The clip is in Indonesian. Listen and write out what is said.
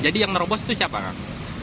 jadi yang nero bos itu siapa kang